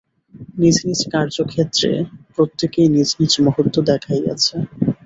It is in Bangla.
নিজ নিজ কার্যক্ষেত্রে প্রত্যেকেই নিজ নিজ মহত্ত্ব দেখাইয়াছে।